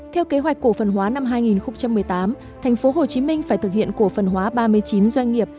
theo kế hoạch cổ phần hóa năm hai nghìn một mươi tám thành phố hồ chí minh phải thực hiện cổ phần hóa ba mươi chín doanh nghiệp